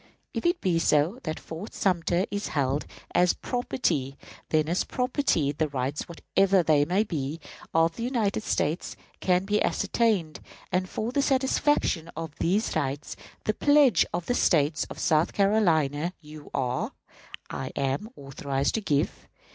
If it be so, that Fort Sumter is held as property, then as property, the rights, whatever they may be, of the United States can be ascertained, and for the satisfaction of these rights the pledge of the State of South Carolina you are" (I am) "authorized to give.